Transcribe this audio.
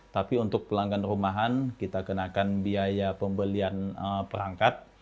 tapi untuk pelanggan rumahan kita kenakan biaya pembelian perangkat